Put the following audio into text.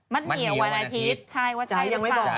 มันเหงียววันอาทิตย์